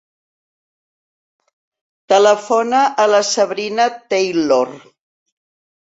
Telefona a la Sabrina Taylor.